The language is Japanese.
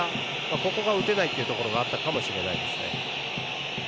ここが打てないというところがあったかもしれません。